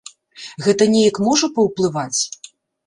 Гэта неяк можа паўплываць?